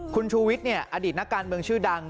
คุณชูวิทย์อดีตนักการเมืองชื่อดัง